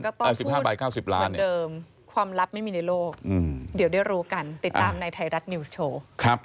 ๑๕ใบ๙๐ล้านเดิมความลับไม่มีในโลกเดี๋ยวได้รู้กันติดตามในไทยรัฐนิวส์โชว์